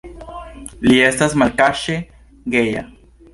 Li estas malkaŝe geja.